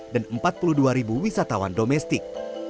dan empat puluh dua wisatawan domestik